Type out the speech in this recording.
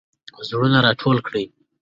زړونه راټول کړئ.